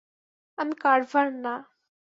আমি কার্ভার না।